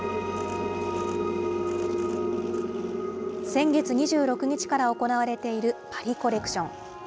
先月２６日から行われているパリコレクション。